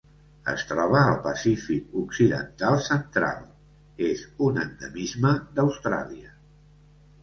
Es troba al Pacífic occidental central: és un endemisme d'Austràlia.